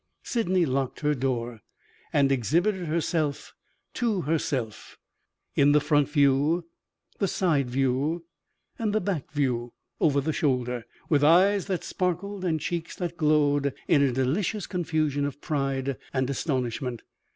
Sydney locked her door, and exhibited herself to herself in the front view, the side view, and the back view (over the shoulder) with eyes that sparkled and cheeks that glowed in a delicious confusion of pride and astonishment.